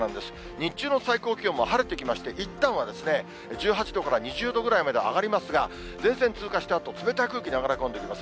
日中の最高気温も晴れてきまして、いったんは１８度から２０度ぐらいまで上がりますが、前線通過したあと、冷たい空気流れ込んできます。